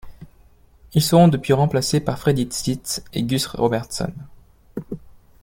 Ils seront depuis remplacés par Freddie Stitz et Gus Robertson.